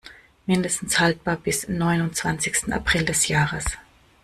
Mindestens haltbar bis neunundzwanzigten April des Jahres.